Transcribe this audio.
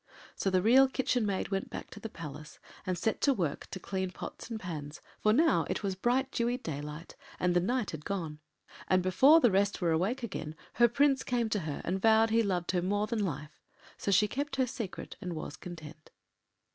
” So the Real Kitchen Maid went back to the Palace, and set to work to clean pots and pans, for now it was bright dewy daylight, and the night had gone. And before the rest were awake again her Prince came to her and vowed he loved her more than life; so she kept her secret and was content.